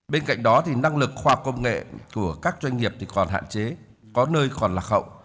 bên cạnh đó năng lực khoa học công nghệ của các doanh nghiệp còn hạn chế có nơi còn lạc hậu